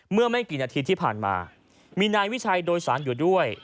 ไม่กี่นาทีที่ผ่านมามีนายวิชัยโดยสารอยู่ด้วย